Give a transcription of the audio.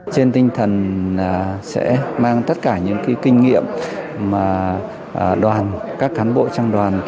trên tinh thần sẽ mang tất cả những kinh nghiệm mà đoàn các cán bộ trong đoàn